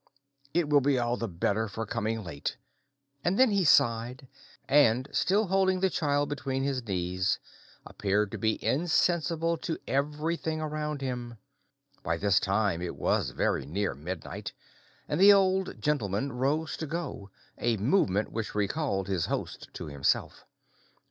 It will be all the better for coming late;" and then he sighed, and still holding the child between his knees, appeared to be insensible to everything around him. By this time it was very near midnight, and the Old Gentleman rose to go, a movement which recalled his host to himself.